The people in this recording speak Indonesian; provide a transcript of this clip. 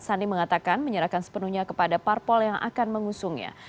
sandi mengatakan menyerahkan sepenuhnya kepada parpol yang akan mengusungnya